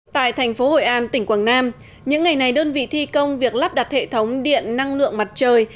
tại thành phố hội an tỉnh quảng nam những ngày này đơn vị thi công việc lắp đặt hệ thống điện năng lượng mặt trời